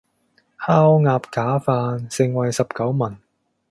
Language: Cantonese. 烤鴨架飯，盛惠十九文